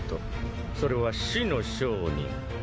それは死の商人。